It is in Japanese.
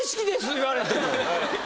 言われても。